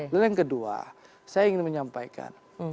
lalu yang kedua saya ingin menyampaikan